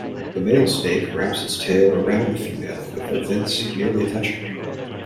The male snake wraps its tail around the female with their vents nearly touching.